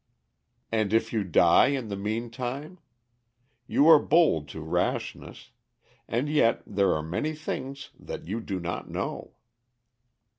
"And if you die in the meantime? You are bold to rashness. And yet there are many things that you do not know."